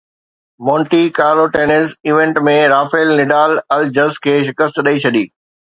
Monte Carlo tennis event ۾ Rafael Nadal الجز کي شڪست ڏئي ڇڏي